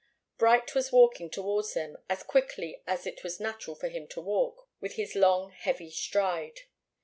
Bright was walking towards them, as quickly as it was natural for him to walk, with his long, heavy stride.